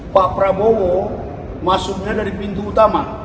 pak prabowo masuknya dari pintu utama